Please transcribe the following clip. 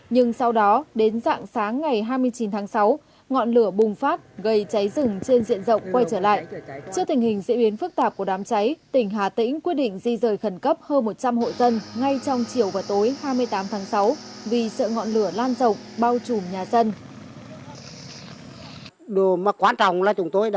nhưng sau đó đến dạng sáng ngày hai mươi chín tháng sáu ngọn lửa bùng phát gây cháy rừng trên diện rộng quay trở lại